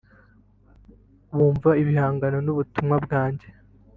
bumva ibihangano n’ubutumwa bwanjye